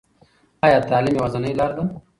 ايا تعليم يوازينۍ لار ده؟